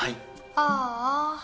ああ。